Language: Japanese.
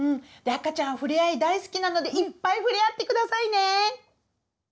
赤ちゃんふれあい大好きなのでいっぱいふれあってくださいね！